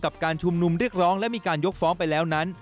การชุมนุมเรียกร้องและมีการยกฟ้องไปแล้วนั้น